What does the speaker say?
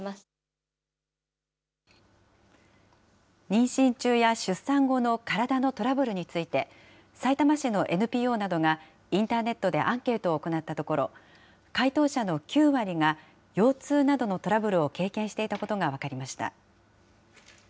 妊娠中や出産後の体のトラブルについて、さいたま市のＮＰＯなどがインターネットでアンケートを行ったところ、回答者の９割が、腰痛などのトラブルを経験していたことが分かりました。